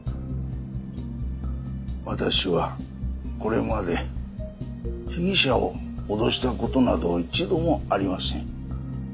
私はこれまで被疑者を脅した事など一度もありません。